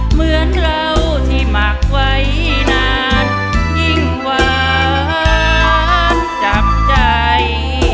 เหมือนเราที่หมักไว้นานยิ่งหวานจับใจ